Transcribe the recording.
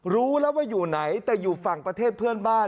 รู้แล้วว่าอยู่ไหนแต่อยู่ฝั่งประเทศเพื่อนบ้าน